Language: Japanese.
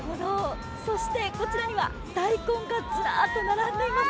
そして、こちらには大根がずらっと並んでいます。